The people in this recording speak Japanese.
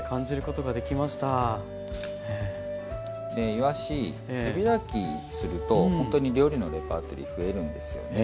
いわし手開きするとほんとに料理のレパートリー増えるんですよね。